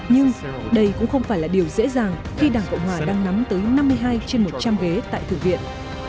nhưng đây cũng không phải là điều dễ dàng khi đảng cộng hòa đang nắm tới năm mươi hai trên một trăm linh ghế tại thượng viện